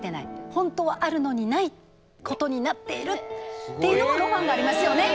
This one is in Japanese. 本当はあるのにないことになっているっていうのもロマンがありますよね。